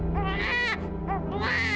bagai sama mulut dia